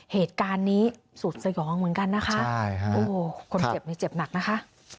เหตุการณ์นี้สุดสยองเหมือนกันนะคะใช่ค่ะโอ้คนเจ็บนี่เจ็บหนักนะคะ